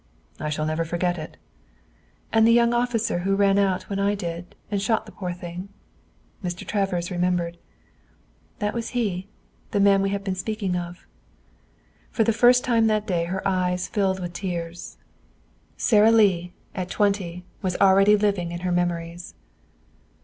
"I shall never forget it." "And the young officer who ran out when I did, and shot the poor thing?" Mr. Travers remembered. "That was he the man we have been speaking of." For the first time that day her eyes filled with tears. Sara Lee, at twenty, was already living in her memories.